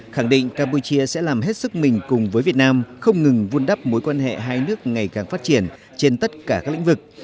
khẳng định campuchia sẽ làm hết sức mình cùng với việt nam không ngừng vun đắp mối quan hệ hai nước ngày càng phát triển trên tất cả các lĩnh vực